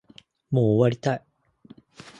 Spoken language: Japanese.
もう終わりたい